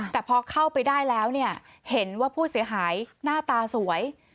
แต่พอเข้าไปได้แล้วเนี่ยเห็นว่าผู้เสียหายหน้าตาสวย